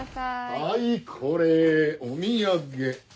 はいこれお土産。